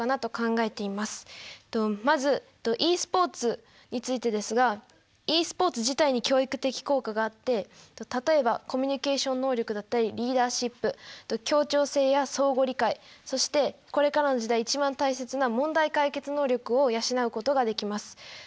まずｅスポーツについてですがｅスポーツ自体に教育的効果があって例えばコミュニケーション能力だったりリーダーシップと協調性や相互理解そしてこれからの時代一番大切な問題解決能力を養うことができます。